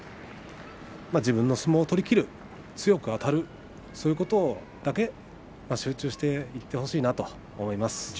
自分の相撲を取りきる強くあたる、そういうことだけ集中していってほしいなと思います。